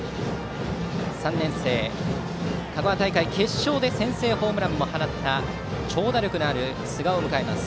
３年生、香川大会決勝で先制ホームランも放った長打力のある寿賀を迎えます。